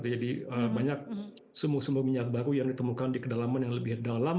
jadi banyak sumber minyak baru yang ditemukan di kedalaman yang lebih dalam